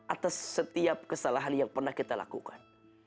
atas setiap kesalahan yang pernah kita lakukan